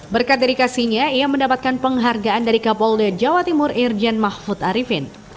berkat dedikasinya ia mendapatkan penghargaan dari kapolda jawa timur irjen mahfud arifin